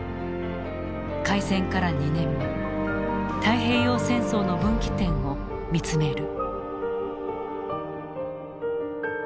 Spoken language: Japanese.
開戦から２年目太平洋戦争の分岐点を見つめる。